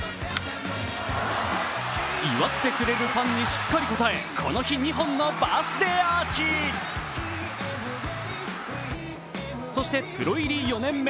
祝ってくれるファンにしっかり応え、この日、２本のバースデーアーチそして、プロ入り４年目。